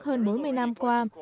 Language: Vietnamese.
hơn bốn mươi năm qua